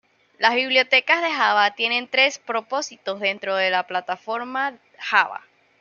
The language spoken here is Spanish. Las bibliotecas de Java tienen tres propósitos dentro de la Plataforma Java.